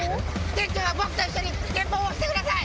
店長は僕と一緒に前方を押してください！